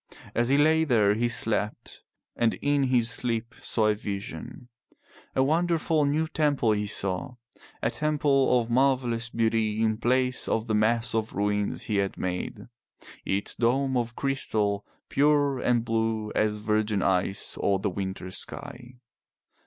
As he lay there he slept and in his sleep saw a vision. A wonderful new temple he saw, a temple of marvellous beauty in place of the mass of ruins he had made, its dome of crystal pure and blue as virgin ice or the winter sky.